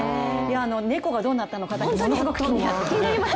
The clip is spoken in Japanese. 猫がどうなったのかだけものすごく気になります。